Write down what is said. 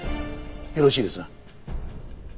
よろしいですな？